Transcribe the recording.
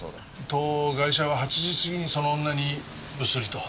とガイシャは８時過ぎにその女にブスリと。